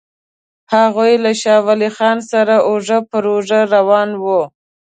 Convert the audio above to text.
هغوی له شاه ولي خان سره اوږه پر اوږه روان ول.